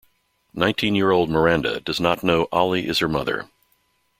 Nineteen-year-old Miranda does not know Oly is her mother.